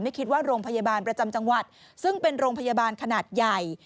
ไม่คิดว่าโรงพยาบาลประจำจังหวัดซึ่งเป็นโรงพยาบาลขนาดใหญ่